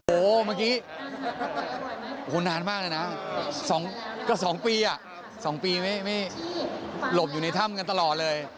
โหวเมื่อกี้โหงานมากเลยนะ๒ปีอ่ะ๒ปีไม่หลบอยู่ในถ้ำกันตลอดเลย